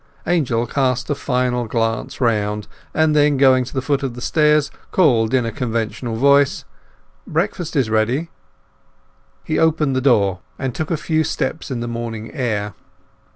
Angel cast a final glance round, and then going to the foot of the stairs, called in a conventional voice— "Breakfast is ready!" He opened the front door, and took a few steps in the morning air.